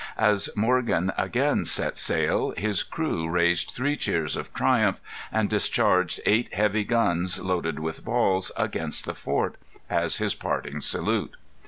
As Morgan again set sail, his crews raised three cheers of triumph, and discharged eight heavy guns, loaded with balls, against the fort, as his parting salute.